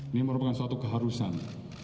ini merupakan suatu keharusan